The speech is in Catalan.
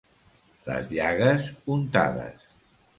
Les llagues, untades.